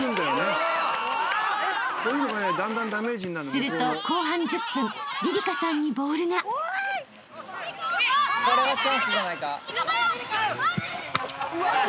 ［すると後半１０分りりかさんにボールが］怖い！